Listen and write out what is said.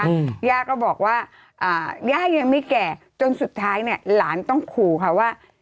ย่าก็บอกว่าอ่าย่ายังไม่แก่จนสุดท้ายเนี้ยหลานต้องขู่ค่ะว่า